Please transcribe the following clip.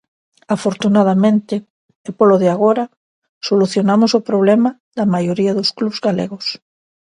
Afortunadamente, e polo de agora, solucionamos o problema da maioría dos clubs galegos.